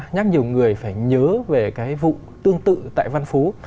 nhắc nhiều người phải nhớ về cái vụ tương tự tại văn phú